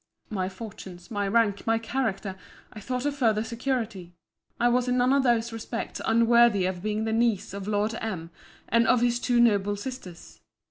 My fortunes, my rank, my character, I thought a further security. I was in none of those respects unworthy of being the niece of Lord M. and of his two noble sisters.